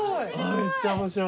めっちゃ面白い。